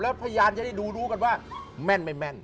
แล้วพยานจะได้ดูรู้กันว่าแม่นไม่แม่น